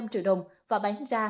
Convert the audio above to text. năm mươi sáu năm triệu đồng và bán ra